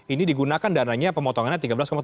ini digunakan dananya pemotongannya